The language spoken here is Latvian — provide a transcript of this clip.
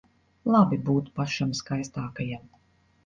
Labi būt pašam skaistākajam.